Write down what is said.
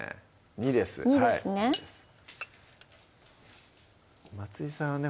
２です２ですね松井さんはね